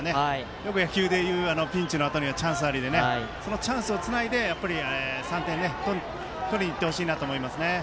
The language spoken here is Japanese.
よく野球で言うピンチのあとにチャンスありでそのチャンスをつないで３点を取りにいってほしいと思います。